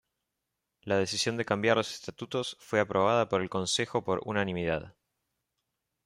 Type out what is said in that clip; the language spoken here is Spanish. La decisión de cambiar los estatutos fue aprobada por el Consejo por unanimidad.